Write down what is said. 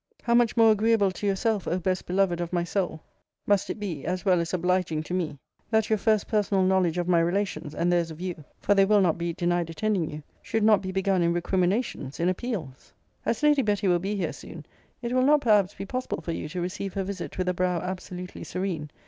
How much more agreeable to yourself, O best beloved of my soul, must it be, as well as obliging to me, that your first personal knowledge of my relations, and theirs of you, (for they will not be denied attending you) should not be begun in recriminations, in appeals? As Lady Betty will be here soon, it will not perhaps be possible for you to receive her visit with a brow absolutely serene.